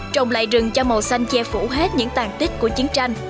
trồng lại rừng cho màu xanh che phủ hết những tàn tích của chiến tranh